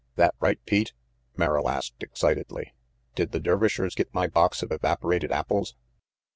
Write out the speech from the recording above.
"That right, Pete?" Merrill asked excitedly. "Did the Dervishers get my box of evaporated apples?"